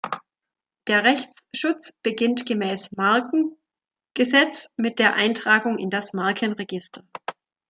Der Rechtsschutz beginnt gemäß MarkenG mit der Eintragung in das Markenregister.